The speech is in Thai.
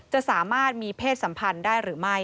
จะสามารถมีเพศสัมพันธ์ได้หรือไม่